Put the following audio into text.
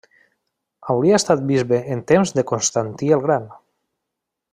Hauria estat bisbe en temps de Constantí el gran.